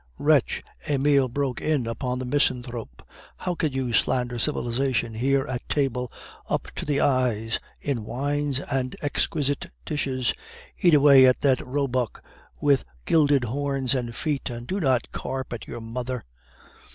"Wretch!" Emile broke in upon the misanthrope, "how can you slander civilization here at table, up to the eyes in wines and exquisite dishes? Eat away at that roebuck with the gilded horns and feet, and do not carp at your mother..."